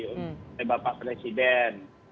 oleh bapak presiden